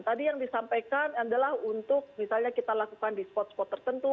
tadi yang disampaikan adalah untuk misalnya kita lakukan di spot spot tertentu